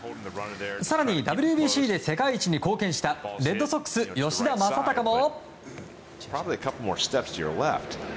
更に、ＷＢＣで世界一に貢献したレッドソックス吉田正尚も。